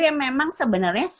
yang memang sebenarnya